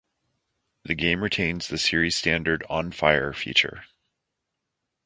The game retains the series standard "on fire" feature.